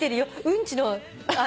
うんちの。